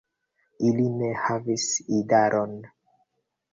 Ili ne havis idaron.